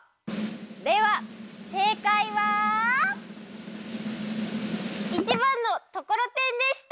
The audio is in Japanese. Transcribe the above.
ではせいかいは１ばんのところてんでした。